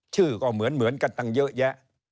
ชื่อก็เหมือนกันตั้งเยอะแยะ